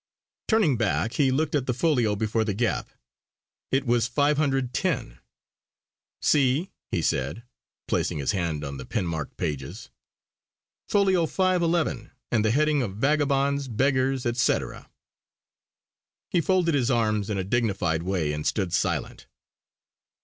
Turning back he looked at the folio before the gap; it was 510. "See" he said, placing his hand on the pinmarked pages. "Folio 511 and the heading of 'Vagabonds, Beggars, et cetera.'" He folded his arms in a dignified way and stood silent.